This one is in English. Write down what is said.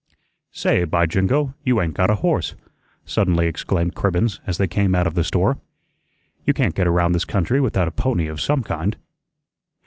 "Say, by jingo, you ain't got a horse," suddenly exclaimed Cribbens as they came out of the store. "You can't get around this country without a pony of some kind."